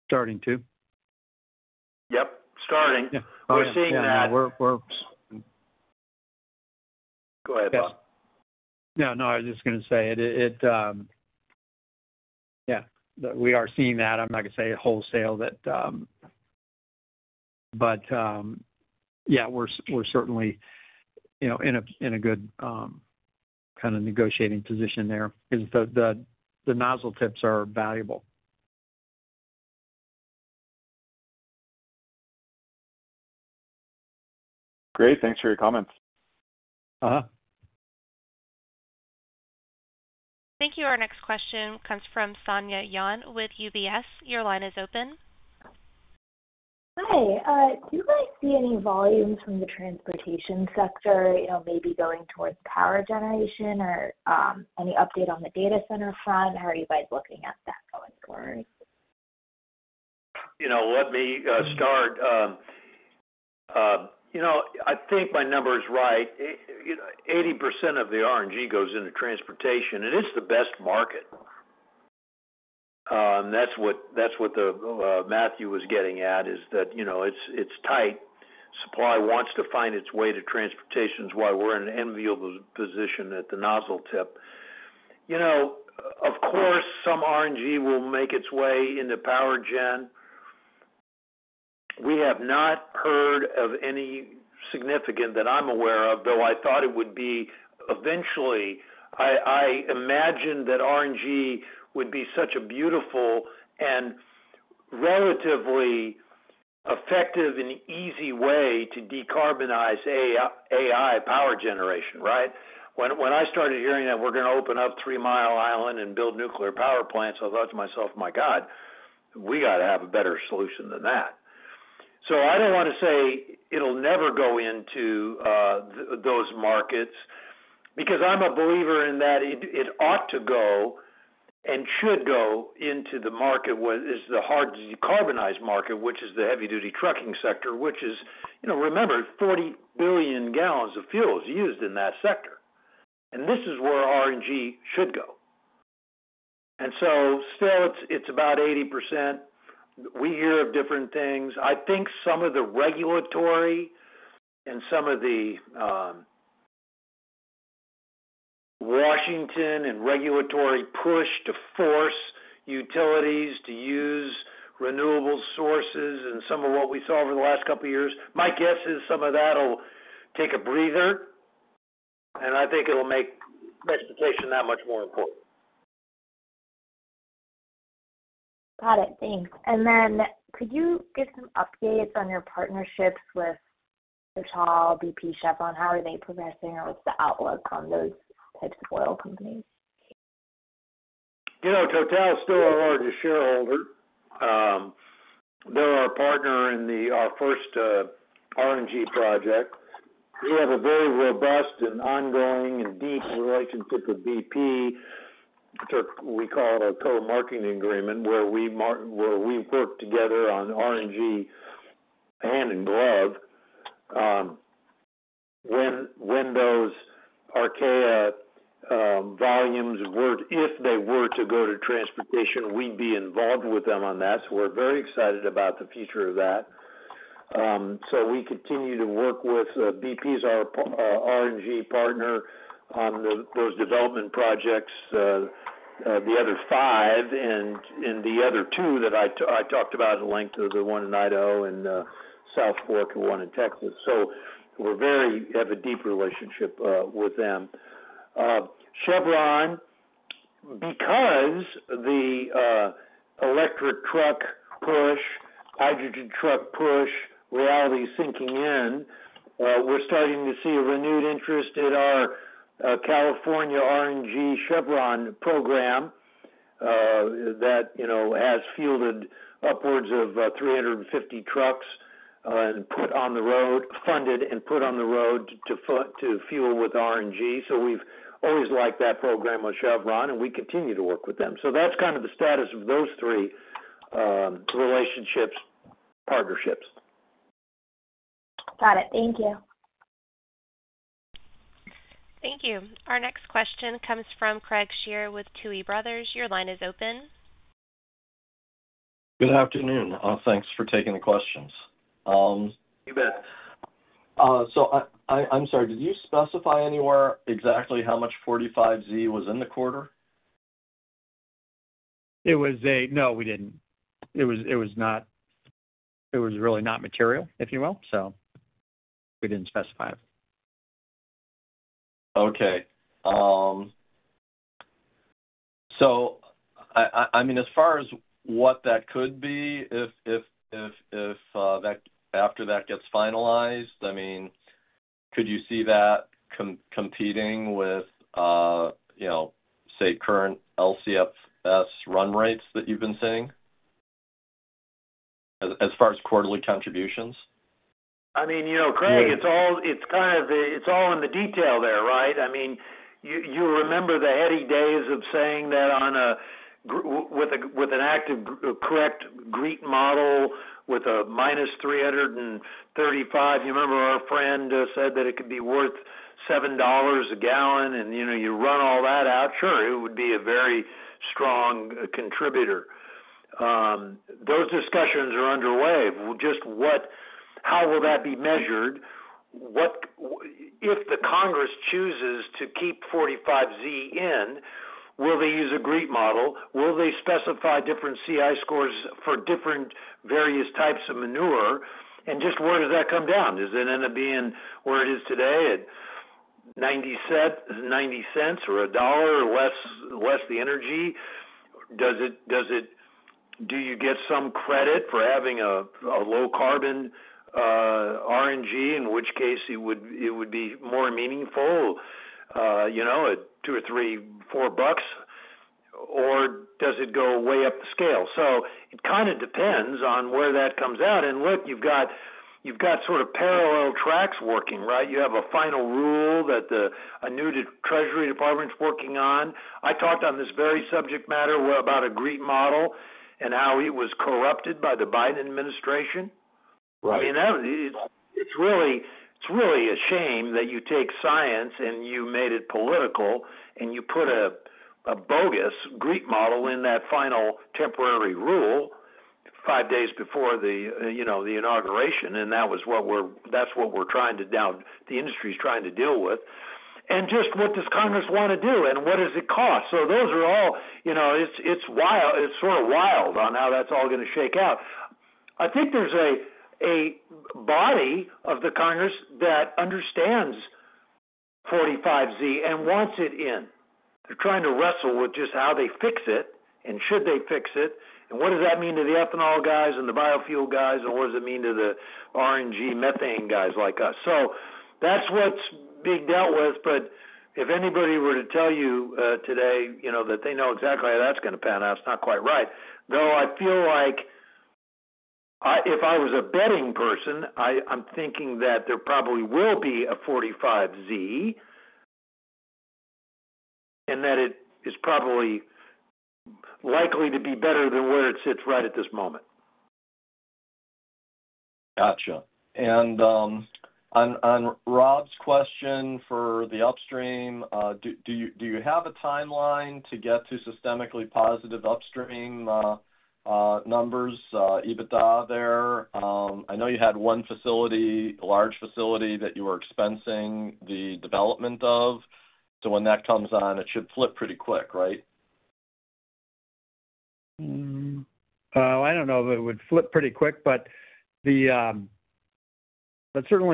Starting to. Yep. Starting. We're seeing that. Yeah. We're. Go ahead, Bob. Yes. No, no. I was just going to say, yeah, we are seeing that. I'm not going to say wholesale that, but yeah, we're certainly in a good kind of negotiating position there because the nozzle tips are valuable. Great. Thanks for your comments. Uh-huh. Thank you. Our next question comes from Sonya Yun with UBS. Your line is open. Hi. Do you guys see any volume from the transportation sector, maybe going towards power generation or any update on the data center front? How are you guys looking at that going forward? Let me start. I think my number is right. 80% of the RNG goes into transportation, and it's the best market. That's what Matthew was getting at, is that it's tight. Supply wants to find its way to transportation while we're in an invisible position at the nozzle tip. Of course, some RNG will make its way into power gen. We have not heard of any significant that I'm aware of, though I thought it would be eventually. I imagine that RNG would be such a beautiful and relatively effective and easy way to decarbonize AI power generation, right? When I started hearing that we're going to open up Three Mile Island and build nuclear power plants, I thought to myself, "My God, we got to have a better solution than that." I don't want to say it'll never go into those markets because I'm a believer in that it ought to go and should go into the market where it's the hard-to-decarbonize market, which is the heavy-duty trucking sector, which is, remember, 40 billion gallons of fuel is used in that sector. This is where RNG should go. Still, it's about 80%. We hear of different things. I think some of the regulatory and some of the Washington and regulatory push to force utilities to use renewable sources and some of what we saw over the last couple of years. My guess is some of that will take a breather, and I think it'll make transportation that much more important. Got it. Thanks. Could you give some updates on your partnerships with TotalEnergies, BP, Chevron? How are they progressing, or what's the outlook on those types of oil companies? TotalEnergies is still our largest shareholder. They're our partner in our first RNG project. We have a very robust and ongoing and deep relationship with BP. We call it a co-marketing agreement where we work together on RNG hand-in-glove. When those Archaea volumes were, if they were to go to transportation, we'd be involved with them on that. We are very excited about the future of that. We continue to work with BP as our RNG partner on those development projects, the other five, and the other two that I talked about at length, the one in Idaho and South Fork and one in Texas. We have a deep relationship with them. Chevron, because of the electric truck push, hydrogen truck push, reality is sinking in. We're starting to see a renewed interest in our California RNG Chevron program that has fielded upwards of 350 trucks and put on the road, funded and put on the road to fuel with RNG. We have always liked that program with Chevron, and we continue to work with them. That is kind of the status of those three relationships, partnerships. Got it. Thank you. Thank you. Our next question comes from Craig Shere with Tuohy Brothers. Your line is open. Good afternoon. Thanks for taking the questions. You bet. I'm sorry. Did you specify anywhere exactly how much 45Z was in the quarter? It was a no, we didn't. It was really not material, if you will. So we didn't specify it. Okay. So I mean, as far as what that could be, if after that gets finalized, I mean, could you see that competing with, say, current LCFS run rates that you've been seeing as far as quarterly contributions? I mean, Craig, it's kind of the it's all in the detail there, right? I mean, you remember the heady days of saying that with an active correct GREET model with a minus 335. You remember our friend said that it could be worth $7 a gallon, and you run all that out. Sure, it would be a very strong contributor. Those discussions are underway. Just how will that be measured? If the Congress chooses to keep 45Z in, will they use a GREET model? Will they specify different CI scores for different various types of manure? And just where does that come down? Does it end up being where it is today at 90 cents or a dollar or less the energy? Do you get some credit for having a low-carbon RNG, in which case it would be more meaningful, two or three, four bucks? Does it go way up the scale? It kind of depends on where that comes out. Look, you've got sort of parallel tracks working, right? You have a final rule that the Treasury Department is working on. I talked on this very subject matter about a GREET model and how it was corrupted by the Biden administration. I mean, it's really a shame that you take science and you made it political, and you put a bogus GREET model in that final temporary rule five days before the inauguration. That's what we're trying to now, the industry is trying to deal with. Just what does Congress want to do, and what does it cost? Those are all, it's sort of wild on how that's all going to shake out. I think there's a body of the Congress that understands 45Z and wants it in. They're trying to wrestle with just how they fix it and should they fix it. What does that mean to the ethanol guys and the biofuel guys, and what does it mean to the RNG methane guys like us? That's what's being dealt with. If anybody were to tell you today that they know exactly how that's going to pan out, it's not quite right. Though I feel like if I was a betting person, I'm thinking that there probably will be a 45Z and that it is probably likely to be better than where it sits right at this moment. Gotcha. On Rob's question for the upstream, do you have a timeline to get to systemically positive upstream numbers, EBITDA there? I know you had one facility, a large facility that you were expensing the development of. When that comes on, it should flip pretty quick, right? I don't know if it would flip pretty quick, but certainly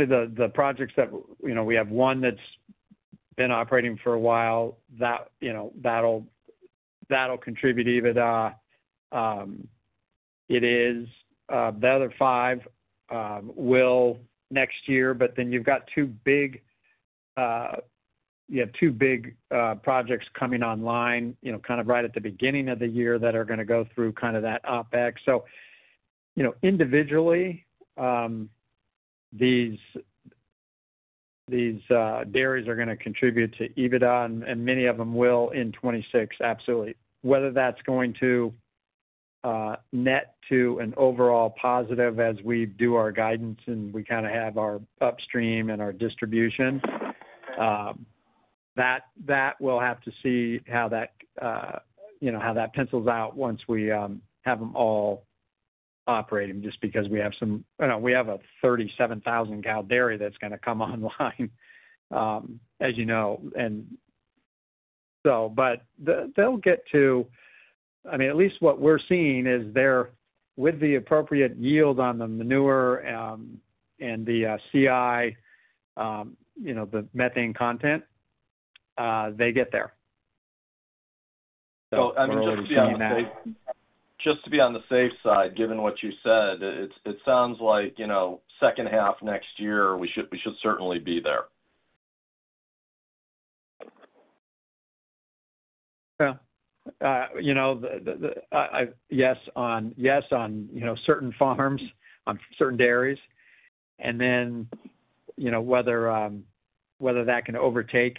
the projects that we have, one that's been operating for a while, that'll contribute EBITDA. The other five will next year. You have two big projects coming online kind of right at the beginning of the year that are going to go through kind of that OPEX. Individually, these dairies are going to contribute to EBITDA, and many of them will in 2026, absolutely. Whether that's going to net to an overall positive as we do our guidance and we kind of have our upstream and our distribution, we will have to see how that pencils out once we have them all operating just because we have a 37,000-cow dairy that's going to come online, as you know. They'll get to, I mean, at least what we're seeing is they're, with the appropriate yield on the manure and the CI, the methane content, they get there. I mean, just to be on the safe side, given what you said, it sounds like second half next year, we should certainly be there. Yeah. Yes on certain farms, on certain dairies. Then whether that can overtake.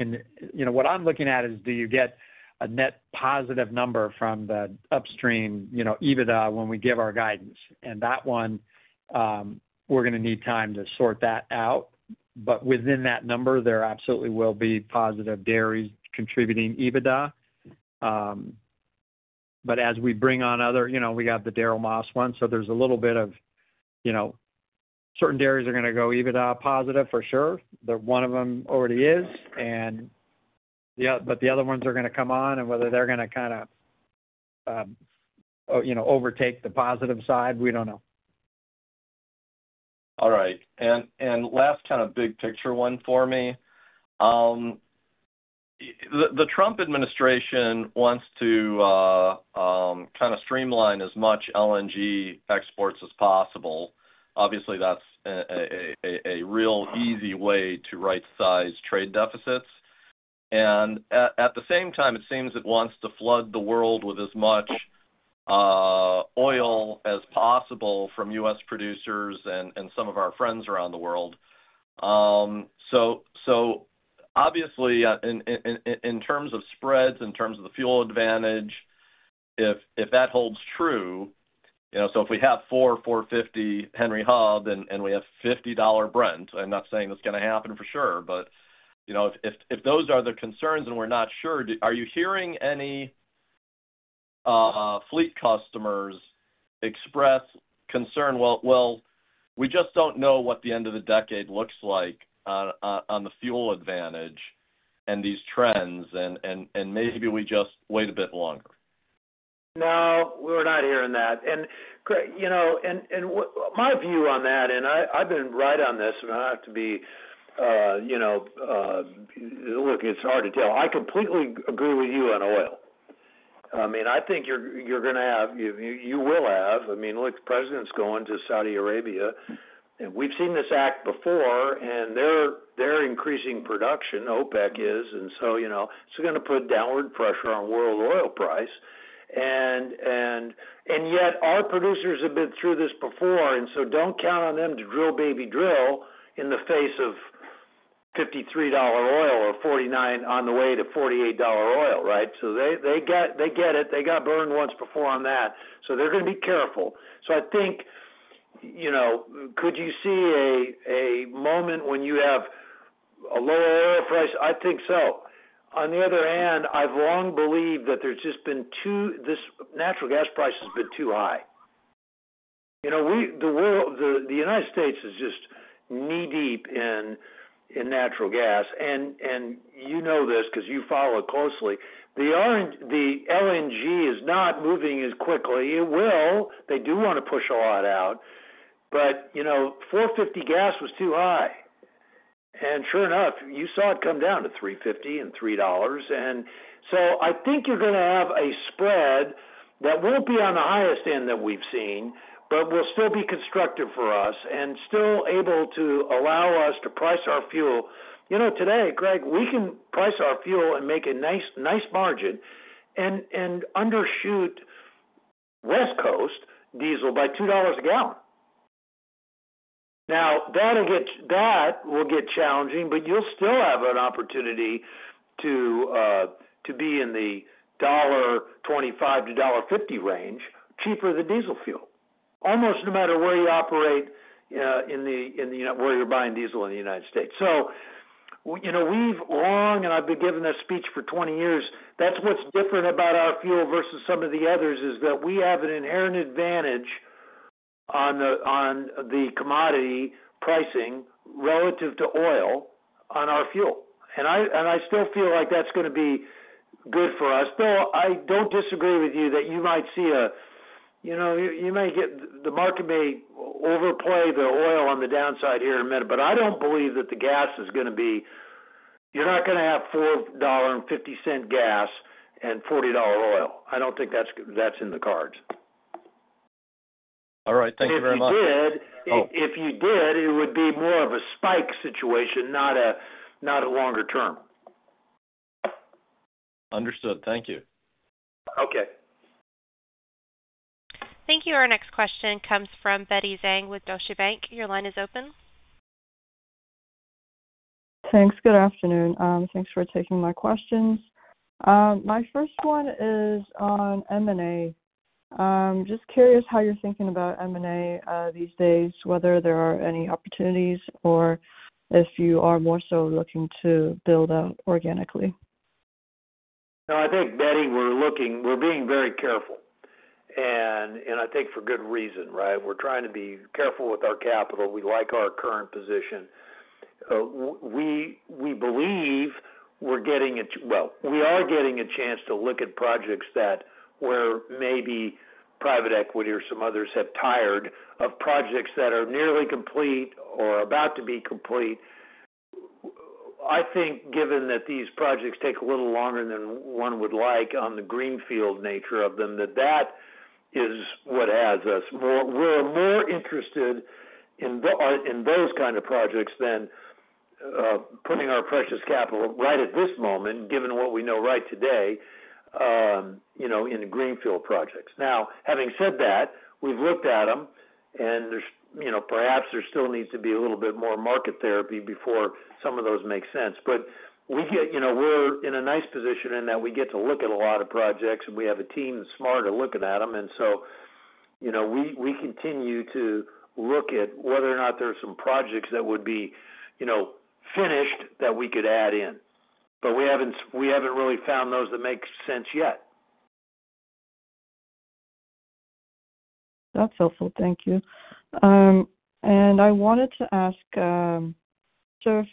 What I'm looking at is do you get a net positive number from the upstream EBITDA when we give our guidance? That one, we're going to need time to sort that out. Within that number, there absolutely will be positive dairies contributing EBITDA. As we bring on other, we got the Darryl Moss one. There's a little bit of certain dairies are going to go EBITDA positive for sure. One of them already is. The other ones are going to come on. Whether they're going to kind of overtake the positive side, we don't know. All right. Last kind of big picture one for me. The Trump administration wants to kind of streamline as much LNG exports as possible. Obviously, that's a real easy way to right-size trade deficits. At the same time, it seems it wants to flood the world with as much oil as possible from U.S. producers and some of our friends around the world. Obviously, in terms of spreads, in terms of the fuel advantage, if that holds true, if we have $4-$4.50 Henry Hub and we have $50 Brent, I'm not saying that's going to happen for sure. If those are the concerns and we're not sure, are you hearing any fleet customers express concern? We just don't know what the end of the decade looks like on the fuel advantage and these trends, and maybe we just wait a bit longer. No, we're not hearing that. My view on that, and I've been right on this, and I have to be, look, it's hard to tell. I completely agree with you on oil. I mean, I think you're going to have, you will have, I mean, look, the president's going to Saudi Arabia. We've seen this act before, and they're increasing production, OPEC is, and it's going to put downward pressure on world oil price. Yet our producers have been through this before. Don't count on them to drill, baby, drill in the face of $53 oil or $49 on the way to $48 oil, right? They get it. They got burned once before on that. They're going to be careful. I think, could you see a moment when you have a lower oil price? I think so. On the other hand, I've long believed that there's just been too, this natural gas price has been too high. The United States is just knee-deep in natural gas. And you know this because you follow it closely. The LNG is not moving as quickly. It will. They do want to push a lot out. But $4.50 gas was too high. And sure enough, you saw it come down to $3.50 and $3. And so I think you're going to have a spread that won't be on the highest end that we've seen, but will still be constructive for us and still able to allow us to price our fuel. Today, Craig, we can price our fuel and make a nice margin and undershoot West Coast diesel by $2 a gallon. Now, that will get challenging, but you'll still have an opportunity to be in the $1.25-$1.50 range, cheaper than diesel fuel, almost no matter where you operate in the where you're buying diesel in the United States. We've long, and I've been giving this speech for 20 years. That's what's different about our fuel versus some of the others is that we have an inherent advantage on the commodity pricing relative to oil on our fuel. I still feel like that's going to be good for us. Though I don't disagree with you that you might see a you may get the market may overplay the oil on the downside here in a minute, but I don't believe that the gas is going to be you're not going to have $4.50 gas and $40 oil. I don't think that's in the cards. All right. Thank you very much. If you did, it would be more of a spike situation, not a longer term. Understood. Thank you. Okay. Thank you. Our next question comes from Betty Zhang with Deutsche Bank. Your line is open. Thanks. Good afternoon. Thanks for taking my questions. My first one is on M&A. Just curious how you're thinking about M&A these days, whether there are any opportunities or if you are more so looking to build out organically. No, I think, Betty, we're being very careful. I think for good reason, right? We're trying to be careful with our capital. We like our current position. We believe we're getting a, well, we are getting a chance to look at projects where maybe private equity or some others have tired of projects that are nearly complete or about to be complete. I think given that these projects take a little longer than one would like on the greenfield nature of them, that is what has us. We're more interested in those kinds of projects than putting our precious capital right at this moment, given what we know right today in greenfield projects. Now, having said that, we've looked at them, and perhaps there still needs to be a little bit more market therapy before some of those make sense. We are in a nice position in that we get to look at a lot of projects, and we have a team that's smart at looking at them. We continue to look at whether or not there are some projects that would be finished that we could add in. We have not really found those that make sense yet. That's helpful. Thank you. I wanted to ask,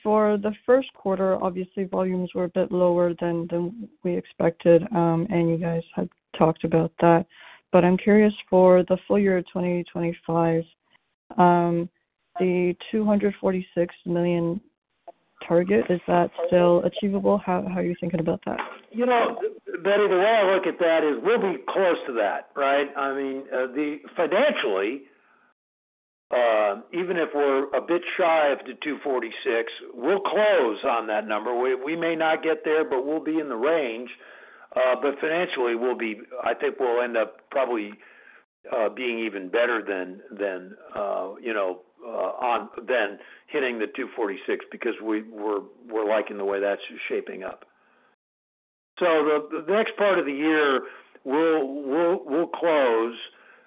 for the first quarter, obviously, volumes were a bit lower than we expected, and you guys had talked about that. I'm curious for the full year of 2025, the 246 million target, is that still achievable? How are you thinking about that? Betty, the way I look at that is we'll be close to that, right? I mean, financially, even if we're a bit shy of the $246, we'll close on that number. We may not get there, but we'll be in the range. Financially, I think we'll end up probably being even better than hitting the $246 because we're liking the way that's shaping up. The next part of the year, we'll close.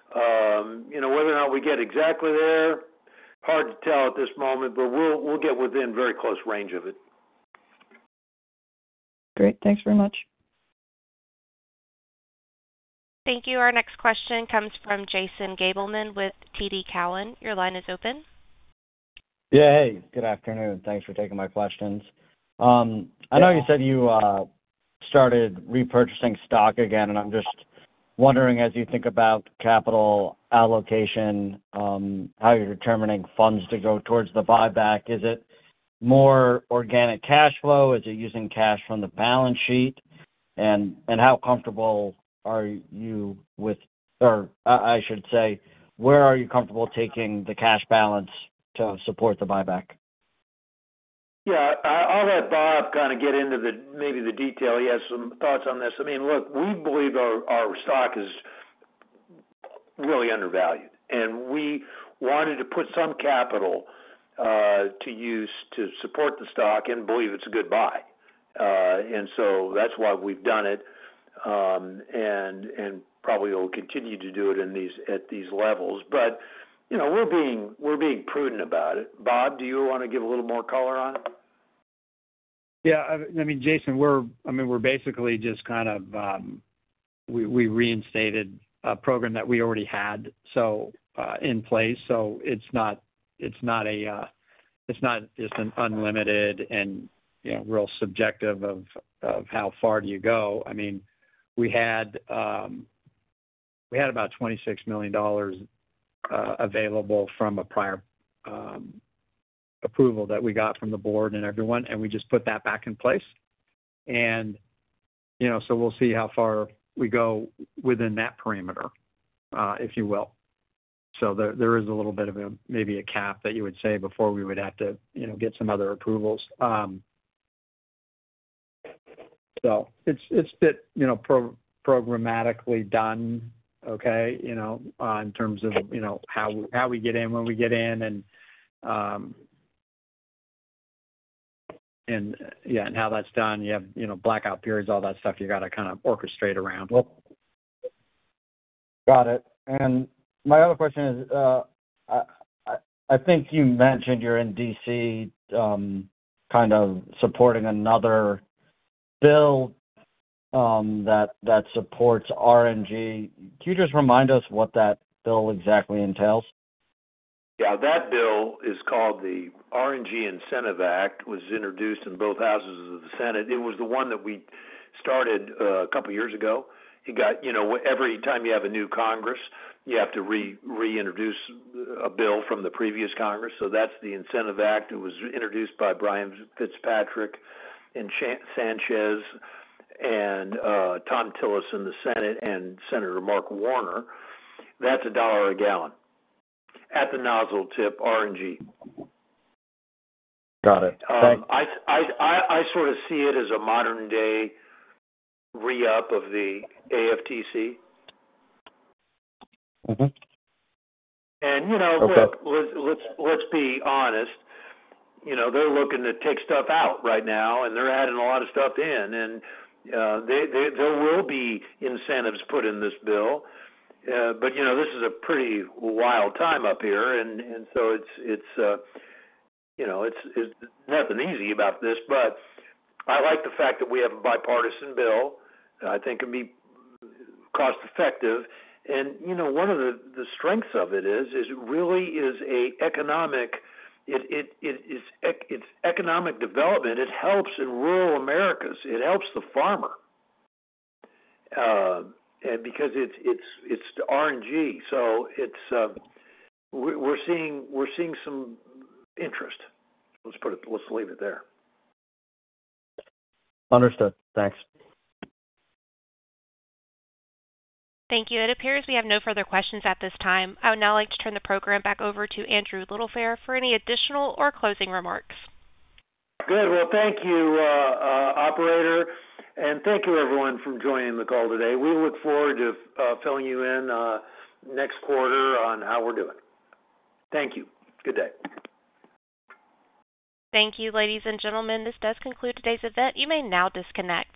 Whether or not we get exactly there, hard to tell at this moment, but we'll get within very close range of it. Great. Thanks very much. Thank you. Our next question comes from Jason Gabelman with TD Cowen. Your line is open. Yeah. Hey. Good afternoon. Thanks for taking my questions. I know you said you started repurchasing stock again, and I'm just wondering, as you think about capital allocation, how you're determining funds to go towards the buyback. Is it more organic cash flow? Is it using cash from the balance sheet? And how comfortable are you with, or I should say, where are you comfortable taking the cash balance to support the buyback? Yeah. I'll let Bob kind of get into maybe the detail. He has some thoughts on this. I mean, look, we believe our stock is really undervalued. We wanted to put some capital to use to support the stock and believe it's a good buy. That's why we've done it and probably will continue to do it at these levels. We're being prudent about it. Bob, do you want to give a little more color on it? Yeah. I mean, Jason, I mean, we're basically just kind of we reinstated a program that we already had in place. So it's not just an unlimited and real subjective of how far do you go. I mean, we had about $26 million available from a prior approval that we got from the board and everyone, and we just put that back in place. And so we'll see how far we go within that perimeter, if you will. So there is a little bit of maybe a cap that you would say before we would have to get some other approvals. So it's programmatically done, okay, in terms of how we get in, when we get in, and yeah, and how that's done. You have blackout periods, all that stuff you got to kind of orchestrate around. Got it. My other question is, I think you mentioned you're in D.C. kind of supporting another bill that supports RNG. Can you just remind us what that bill exactly entails? Yeah. That bill is called the RNG Incentive Act, was introduced in both houses of the Senate. It was the one that we started a couple of years ago. Every time you have a new Congress, you have to reintroduce a bill from the previous Congress. So that's the Incentive Act. It was introduced by Brian Fitzpatrick and Linda Sanchez and Tom Tillis in the Senate and Senator Mark Warner. That's a dollar a gallon at the nozzle tip RNG. Got it. Thanks. I sort of see it as a modern-day re-up of the AFTC. Let's be honest, they're looking to take stuff out right now, and they're adding a lot of stuff in. There will be incentives put in this bill. This is a pretty wild time up here. There is nothing easy about this. I like the fact that we have a bipartisan bill. I think it can be cost-effective. One of the strengths of it is it really is an economic development. It helps in rural Americas. It helps the farmer because it's RNG. We're seeing some interest. Let's leave it there. Understood. Thanks. Thank you. It appears we have no further questions at this time. I would now like to turn the program back over to Andrew Littlefair for any additional or closing remarks. Good. Thank you, operator. Thank you, everyone, for joining the call today. We look forward to filling you in next quarter on how we're doing. Thank you. Good day. Thank you, ladies and gentlemen. This does conclude today's event. You may now disconnect.